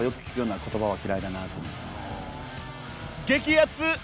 ［激アツ。